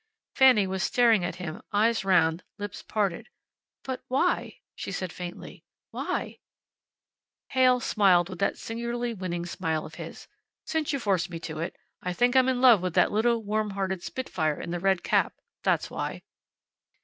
Fanny was staring at him eyes round, lips parted. "But why?" she said, faintly. "Why?" Heyl smiled that singularly winning smile of his. "Since you force me to it, I think I'm in love with that little, warm hearted spitfire in the red cap. That's why."